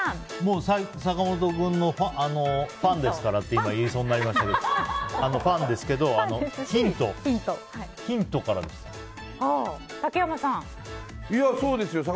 坂本君のファンですからって今、言いそうになりましたけどファンですけど、ヒントからです。